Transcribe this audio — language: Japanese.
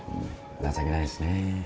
情けないですね。